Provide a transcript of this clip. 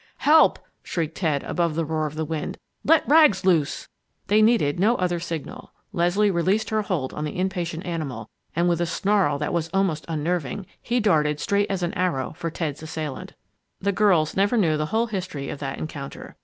"Help!" shrieked Ted, above the roar of the wind. "Let Rags loose!" They needed no other signal. Leslie released her hold on the impatient animal, and with a snarl that was almost unnerving, he darted, straight as an arrow, for Ted's assailant. The girls never knew the whole history of that encounter.